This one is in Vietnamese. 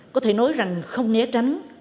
có thể nói rằng không né tránh